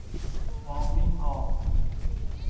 黃面婆